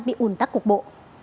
bị ủn tắc cục bộ